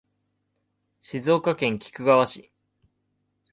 静岡県菊川市